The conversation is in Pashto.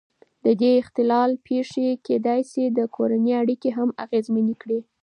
د دې اختلال پېښې کېدای شي د کورنۍ اړیکې هم اغېزمنې کړي.